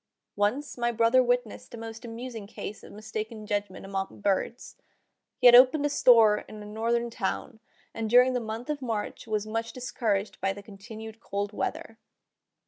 Once my brother witnessed a most amusing case of mistaken judgment among birds. He had opened a store in a northern town, and during the month of March was much discouraged by the continued cold weather.